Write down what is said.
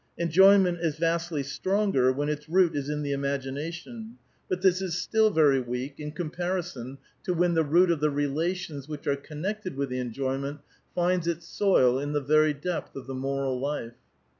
Enjoyment is vastly stronger when its root is in the imagination ; but this is still A VITAL QUESTION. 867 vor}' weak in comparison to when the root of the relations which are connected with tlie enjoyment finds its soil in the very depth of the moral life."